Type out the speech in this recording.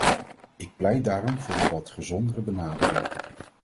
Ik pleit daarom voor een wat gezondere benadering.